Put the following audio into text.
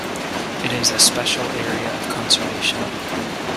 It is a Special Area of Conservation.